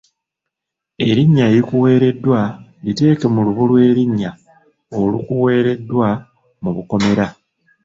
Erinnya erikuweereddwa liteeke mu lubu lw’erinnya olukuweereddwa mu bukomera.